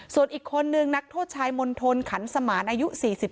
ส่วนอีกคนนึงนักโทษชายมณฑลขันสมานอายุ๔๓